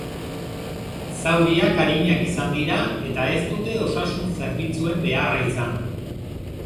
Zauriak arinak izan dira eta ez dute osasun-zerbitzuen beharra izan.